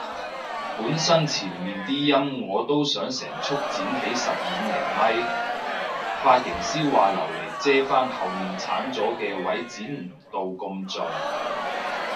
本身前面啲陰我都想成束剪起十五厘米，髮型師話留嚟遮返後面剷咗嘅位唔剪到咁盡